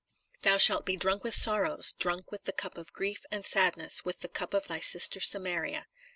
"Thou shalt be drunk with sorrows, drunk with the cup of grief and sadness, with the cup of thy sister Samaria."